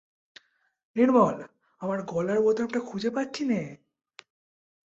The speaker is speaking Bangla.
নির্মল, আমার গলার বোতামটা খুঁজে পাচ্ছি নে।